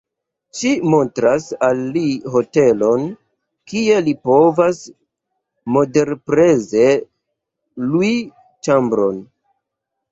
Ŝi montras al li hotelon kie li povas moderpreze lui ĉambron.